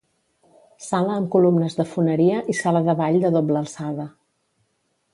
Sala amb columnes de foneria i sala de ball de doble alçada.